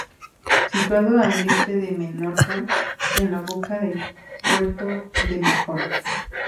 Situado al este de Menorca, en la boca del puerto de Mahón.